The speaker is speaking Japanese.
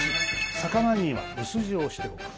魚には薄塩をしておく。